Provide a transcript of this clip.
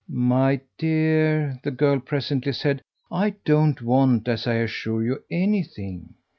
"My dear," the girl presently said, "I don't 'want,' as I assure you, anything.